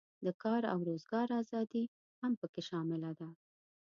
د کار او روزګار آزادي هم پکې شامله ده.